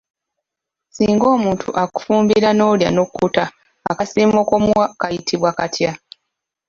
Singa omuntu akufumbira n'olya n'okkuta akasiimo k'omuwa kayitibwa katya?